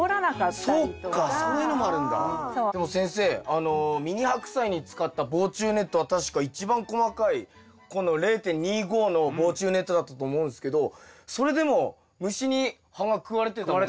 でも先生ミニハクサイに使った防虫ネットは確か一番細かいこの０．２５の防虫ネットだったと思うんすけどそれでも虫に葉が食われてたもんね。